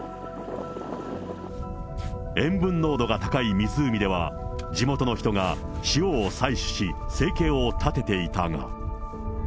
塩分濃度が高い湖では、地元の人が塩を採取し、生計を立てていたが。